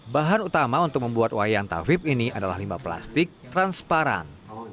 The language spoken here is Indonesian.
bahan utama untuk membuat wayang tawib ini adalah limbah plastik transparan